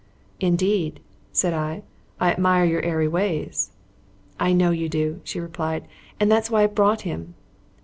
"Indeed," said I. "I admire your airy ways." "I know you do," she replied, "and that's why I've brought him."